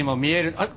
あっ！